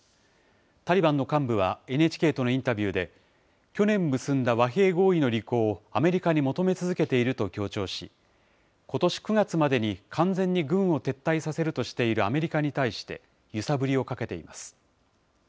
タリバンの幹部はＮＨＫとのインタビューで、去年結んだ和平合意の履行をアメリカに求め続けていると強調し、ことし９月までに完全に軍を撤退させるとしているアメリカに対して、揺さぶりをかけています。